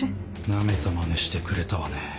ナメたまねしてくれたわね。